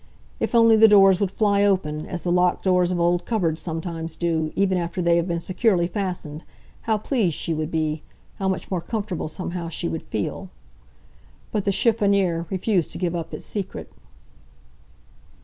If only the doors would fly open, as the locked doors of old cupboards sometimes do, even after they have been securely fastened, how pleased she would be, how much more comfortable somehow she would feel! But the chiffonnier refused to give up its secret.